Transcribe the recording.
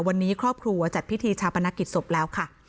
วันนี้ครอบครัวจัดพิธีชาปนกิจศพแล้วค่ะ